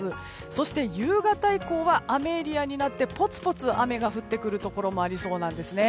そして、夕方以降は雨エリアになってぽつぽつ雨が降ってくるところもありそうなんですね。